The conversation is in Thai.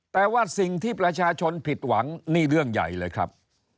แต่ว่าสิ่งที่ประชาชนผิดหวังนี่เรื่องใหญ่เลยครับ